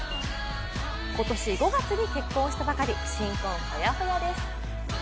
今年５月に結婚したばかり新婚ほやほやです。